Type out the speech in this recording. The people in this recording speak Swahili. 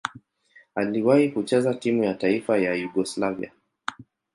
Aliwahi kucheza timu ya taifa ya Yugoslavia.